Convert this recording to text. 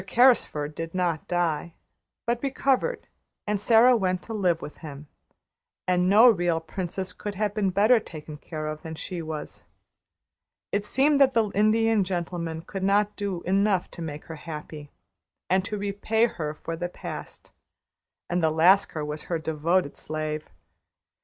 Carrisford did not die, but recovered, and Sara went to live with him; and no real princess could have been better taken care of than she was. It seemed that the Indian Gentleman could not do enough to make her happy, and to repay her for the past; and the Lascar was her devoted slave.